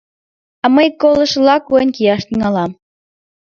— А мый колышыла койын кияш тӱҥалам.